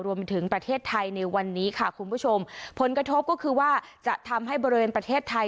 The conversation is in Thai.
มาถึงประเทศไทยในวันนี้ค่ะคุณผู้ชมผลกระทบก็คือว่าจะทำให้บริเวณประเทศไทย